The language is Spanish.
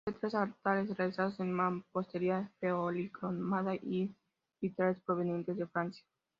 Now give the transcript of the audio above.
Posee tres altares realizados en mampostería policromada y vitrales provenientes de Francia.